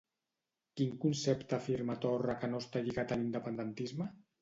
Quin concepte afirma Torra que no està lligat a l'independentisme?